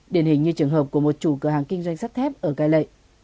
điển hình như trường hợp của một chủ cửa hàng kinh doanh sắt thép ở cai lệ